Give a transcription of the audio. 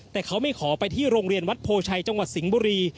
แต่เขาไม่ขอไปที่โรงเรียนวัดโพชัยจังหวัดสิงห์บุรี